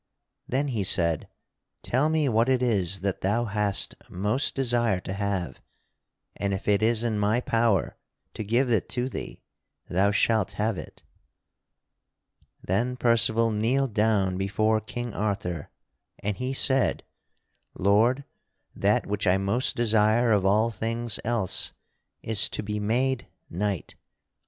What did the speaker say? Then he said: "Tell me what it is that thou hast most desire to have, and if it is in my power to give it to thee thou shalt have it." Then Percival kneeled down before King Arthur, and he said: "Lord, that which I most desire of all things else is to be made knight.